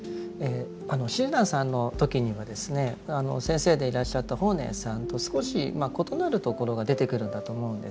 あの親鸞さんの時にはですね先生でいらっしゃった法然さんと少し異なるところが出てくるんだと思うんです。